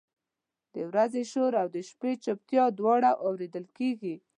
د ورځې شور او د شپې چپتیا دواړه اورېدل کېږي.